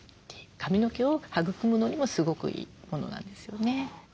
髪の毛を育むのにもすごくいいものなんですよね。